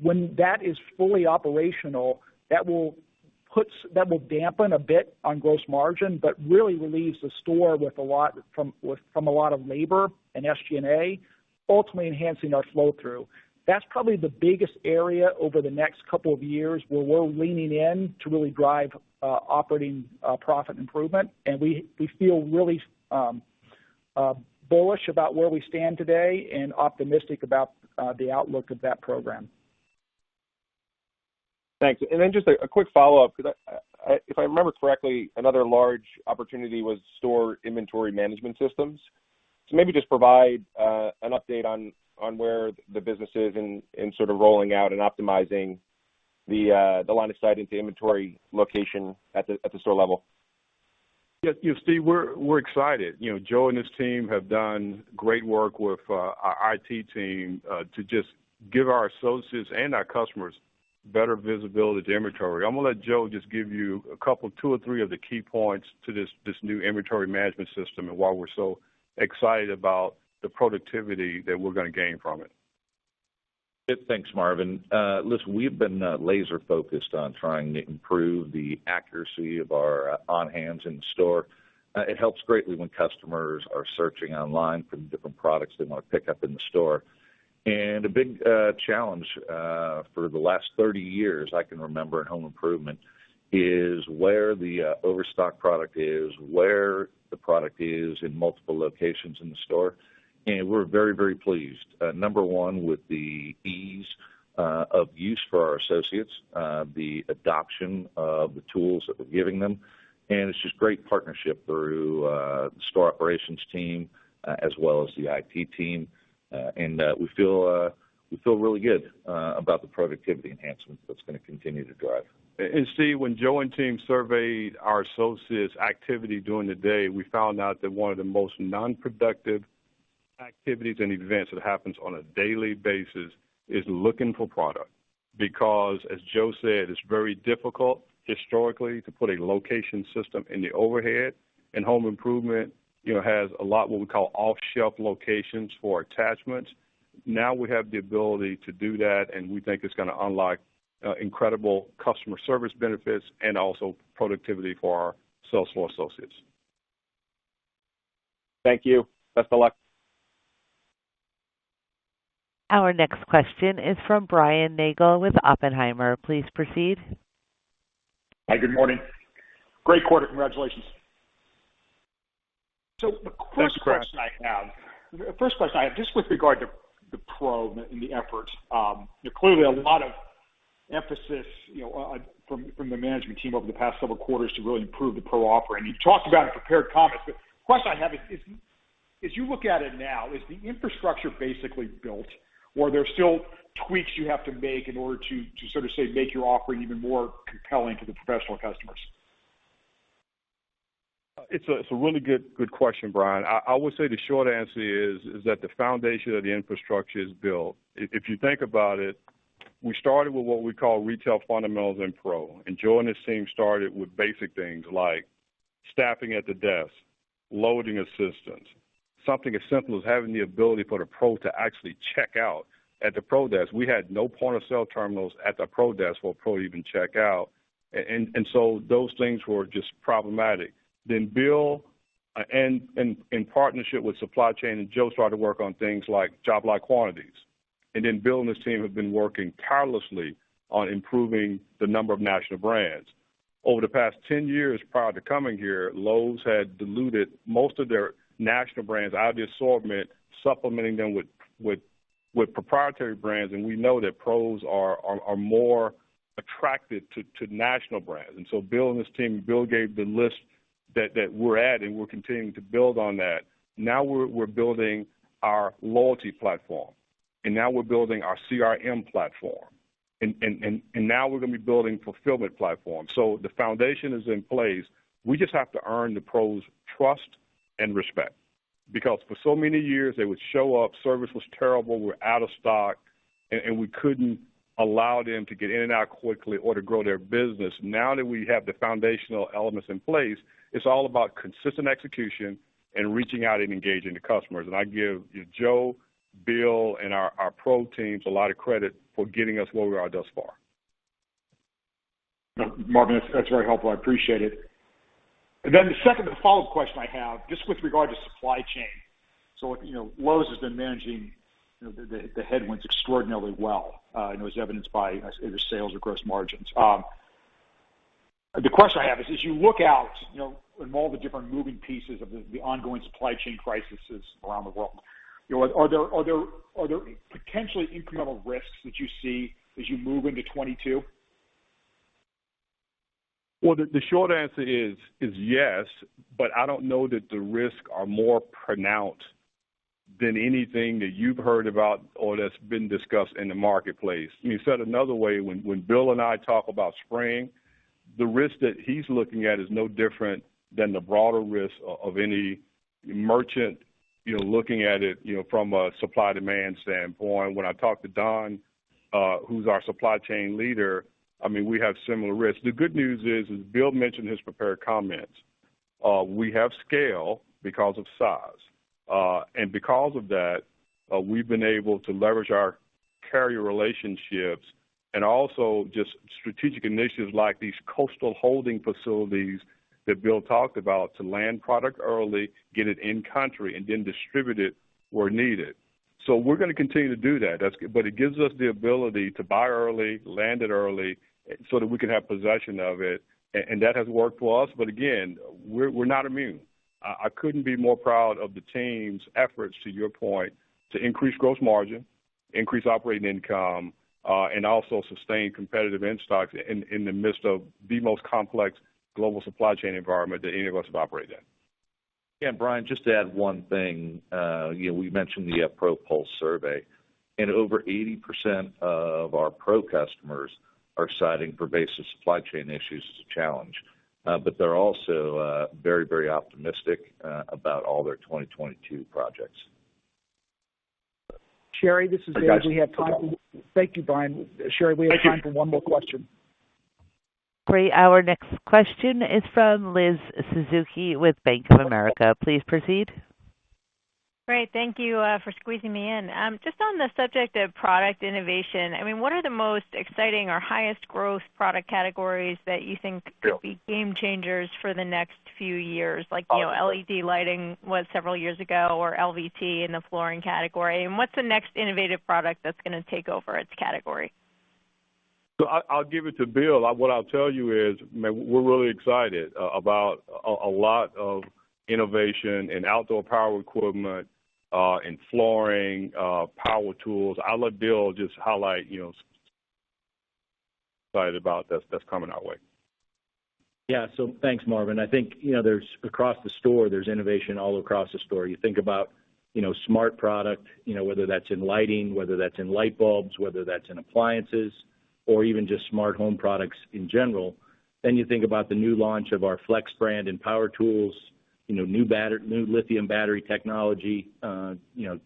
When that is fully operational, that will dampen a bit on gross margin, but really relieves the store from a lot of labor and SG&A, ultimately enhancing our flow-through. That's probably the biggest area over the next couple of years where we're leaning in to really drive operating profit improvement. We feel really bullish about where we stand today and optimistic about the outlook of that program. Thanks. Just a quick follow-up, 'cause if I remember correctly, another large opportunity was store inventory management systems. Maybe just provide an update on where the business is in sort of rolling out and optimizing the line of sight into inventory location at the store level. Yeah, you know, Steve, we're excited. You know, Joe and his team have done great work with our IT team to just give our associates and our customers better visibility to inventory. I'm gonna let Joe just give you a couple, two or three of the key points to this new inventory management system and why we're so excited about the productivity that we're gonna gain from it. Yeah. Thanks, Marvin. Listen, we've been laser-focused on trying to improve the accuracy of our on-hands in store. It helps greatly when customers are searching online for the different products they want to pick up in the store. A big challenge for the last 30 years, I can remember in home improvement, is where the overstock product is, where the product is in multiple locations in the store. We're very, very pleased, number one, with the ease of use for our associates, the adoption of the tools that we're giving them, and it's just great partnership through the store operations team, as well as the IT team. We feel really good about the productivity enhancement that's gonna continue to drive. Steve, when Joe and team surveyed our associates' activity during the day, we found out that one of the most non-productive activities and events that happens on a daily basis is looking for product. Because, as Joe said, it's very difficult historically to put a location system in the overhead. In home improvement, you know, it has a lot, what we call off-shelf locations for attachments. Now we have the ability to do that, and we think it's gonna unlock incredible customer service benefits and also productivity for our store associates. Thank you. Best of luck. Our next question is from Brian Nagel with Oppenheimer. Please proceed. Hi, good morning. Great quarter. Congratulations. Thanks, Brian. The first question I have, just with regard to the Pro and the efforts. Clearly a lot of emphasis, you know, from the management team over the past several quarters to really improve the Pro offering. You talked about it in prepared comments, but the question I have is, as you look at it now, is the infrastructure basically built or there are still tweaks you have to make in order to sort of, say, make your offering even more compelling to the professional customers? It's a really good question, Brian. I would say the short answer is that the foundation of the infrastructure is built. If you think about it, we started with what we call retail fundamentals in Pro. Joe and his team started with basic things like staffing at the desk, loading assistants, something as simple as having the ability for the Pro to actually check out at the Pro desk. We had no point-of-sale terminals at the Pro desk where pro even check out. Those things were just problematic. Bill and in partnership with supply chain, and Joe started to work on things like job site quantities. Bill and his team have been working tirelessly on improving the number of national brands. Over the past 10 years, prior to coming here, Lowe's had diluted most of their national brands out of the assortment, supplementing them with proprietary brands. We know that pros are more attracted to national brands. Bill and his team, Bill gave the list that we're at, and we're continuing to build on that. Now we're building our loyalty platform, and now we're building our CRM platform and now we're gonna be building fulfillment platform. The foundation is in place. We just have to earn the pros trust and respect, because for so many years, they would show up, service was terrible, we're out of stock, and we couldn't allow them to get in and out quickly or to grow their business. Now that we have the foundational elements in place, it's all about consistent execution and reaching out and engaging the customers. I give Joe, Bill, and our pro teams a lot of credit for getting us where we are thus far. Marvin, that's very helpful. I appreciate it. The second and follow-up question I have, just with regard to supply chain. You know, Lowe's has been managing, you know, the headwinds extraordinarily well, and it was evidenced by the sales or gross margins. The question I have is, as you look out, you know, in all the different moving pieces of the ongoing supply chain crisis around the world, you know, are there potentially incremental risks that you see as you move into 2022? Well, the short answer is yes, but I don't know that the risks are more pronounced than anything that you've heard about or that's been discussed in the marketplace. You said another way, when Bill and I talk about spring, the risk that he's looking at is no different than the broader risk of any merchant, you know, looking at it, you know, from a supply demand standpoint. When I talk to Don, who's our supply chain leader, I mean, we have similar risks. The good news is, as Bill mentioned in his prepared comments, we have scale because of size. And because of that, we've been able to leverage our carrier relationships and also just strategic initiatives like these coastal holding facilities that Bill talked about to land product early, get it in country, and then distribute it where needed. We're gonna continue to do that. It gives us the ability to buy early, land it early, so that we can have possession of it, and that has worked for us. Again, we're not immune. I couldn't be more proud of the team's efforts, to your point, to increase gross margin, increase operating income, and also sustain competitive in-stocks in the midst of the most complex global supply chain environment that any of us have operated in. Yeah, Brian, just to add one thing. You know, we mentioned the Pro Pulse survey, and over 80% of our pro customers are citing pervasive supply chain issues as a challenge. But they're also very, very optimistic about all their 2022 projects. Sherry, this is Dave. We have time, Thank you, Brian. Sherry, we have time for one more question. Great. Our next question is from Liz Suzuki with Bank of America. Please proceed. Great. Thank you for squeezing me in. Just on the subject of product innovation, I mean, what are the most exciting or highest growth product categories that you think could be game changers for the next few years? Like, you know, LED lighting was several years ago, or LVT in the flooring category. What's the next innovative product that's gonna take over its category? I'll give it to Bill. What I'll tell you is, I mean, we're really excited about a lot of innovation in outdoor power equipment, in flooring, power tools. I'll let Bill just highlight, you know, excited about that's coming our way. Yeah. Thanks, Marvin. I think, you know, there's innovation all across the store. You think about, you know, smart product, you know, whether that's in lighting, whether that's in light bulbs, whether that's in appliances or even just smart home products in general. You think about the new launch of our FLEX brand and power tools, you know, new lithium battery technology, you know,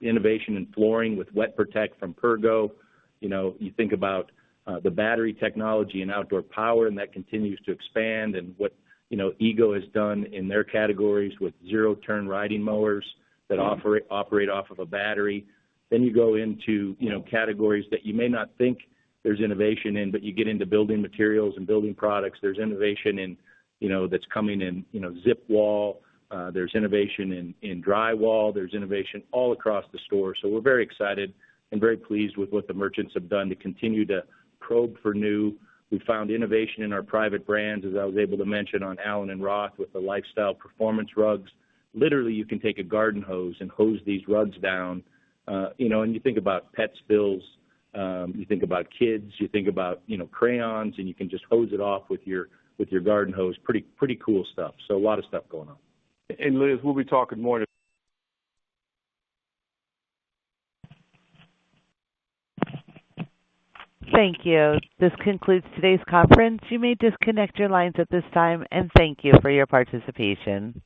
innovation in flooring with WetProtect from Pergo. You know, you think about the battery technology and outdoor power, and that continues to expand and what, you know, EGO has done in their categories with zero-turn riding mowers that operate off of a battery. You go into, you know, categories that you may not think there's innovation in, but you get into building materials and building products. There's innovation in, you know, that's coming in, you know, ZIP Wall. There's innovation in drywall. There's innovation all across the store. We're very excited and very pleased with what the merchants have done to continue to probe for new. We found innovation in our private brands, as I was able to mention on allen + roth, with the Lifestyle Performance Rugs. Literally, you can take a garden hose and hose these rugs down. You know, and you think about pet spills, you think about kids, you think about, you know, crayons, and you can just hose it off with your garden hose. Pretty cool stuff. A lot of stuff going on. Liz, we'll be talking more to- Thank you. This concludes today's conference. You may disconnect your lines at this time, and thank you for your participation.